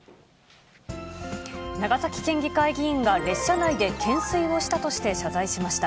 長崎県議会議員が列車内で懸垂をしたとして、謝罪しました。